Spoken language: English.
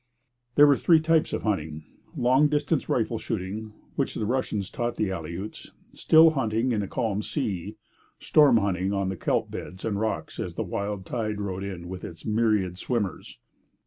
There were three types of hunting long distance rifle shooting, which the Russians taught the Aleuts; still hunting in a calm sea; storm hunting on the kelp beds and rocks as the wild tide rode in with its myriad swimmers.